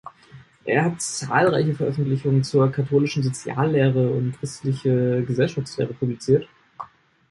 Er hat zahlreiche Veröffentlichungen zur Katholischen Soziallehre und christliche Gesellschaftslehre publiziert.